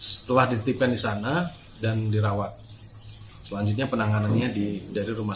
setelah dititipkan di sana dan dirawat selanjutnya penanganannya dari rumah